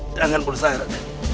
jangan berusaha raden